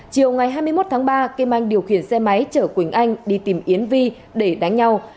chiều ngày hai mươi một tháng ba kim anh điều khiển xe máy chở quỳnh anh đi tìm yến vi để đánh nhau